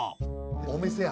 お店や。